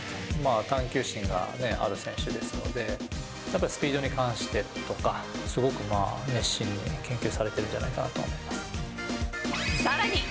探求心がある選手ですので、やっぱりスピードに関してとか、すごく熱心に研究されているんじさらに。